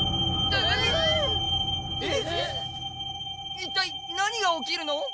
一体何が起きるの？